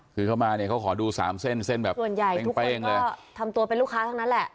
คือเขามาเนี่ยเขาขอดูสามเส้นเส้นแบบส่วนใหญ่เป้งเลยก็ทำตัวเป็นลูกค้าทั้งนั้นแหละ